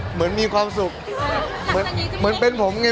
เป็นการเปิดตัว